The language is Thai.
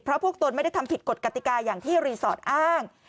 เพราะพวกตนไม่ได้ทำผิดกฎกติกาอย่างที่รีสอร์ทอ้าง